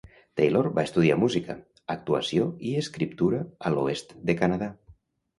Taylor va estudiar música, actuació i escriptura a l'oest de Canadà.